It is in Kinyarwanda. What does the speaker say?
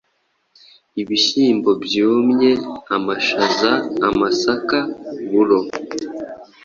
ibishyimbo byumye, amashaza, amasaka, uburo.